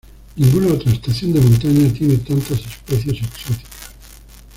Ninguna otra estación de montaña tiene tantas especies exóticas.